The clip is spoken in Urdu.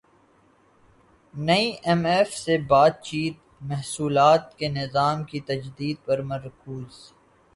ئی ایم ایف سے بات چیت محصولات کے نظام کی تجدید پر مرکوز